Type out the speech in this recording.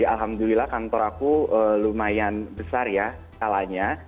alhamdulillah kantor aku lumayan besar ya skalanya